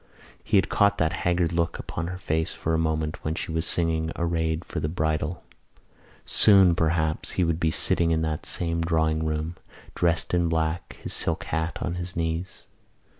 He had caught that haggard look upon her face for a moment when she was singing Arrayed for the Bridal. Soon, perhaps, he would be sitting in that same drawing room, dressed in black, his silk hat on his knees.